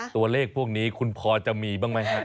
ตัวเลขพวกนี้คุณพอจะมีบ้างไหมครับ